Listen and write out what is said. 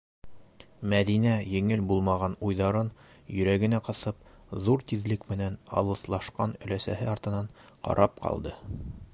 Мәҙинә, еңел булмаған уйҙарын йөрәгенә ҡыҫып, ҙур тиҙлек менән алыҫлашҡан өләсәһе артынан ҡарап ҡалды.